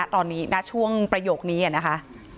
ตอนนี้ณช่วงประโยคนี้นะคะ